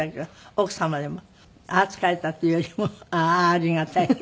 奥様でもああー疲れたっていうよりもああーありがたいって。